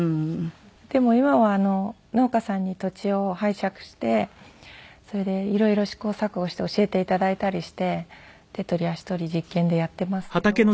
でも今は農家さんに土地を拝借してそれで色々試行錯誤して教えて頂いたりして手取り足取り実験でやっていますけど。